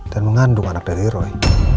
dan mengandung anak dari roy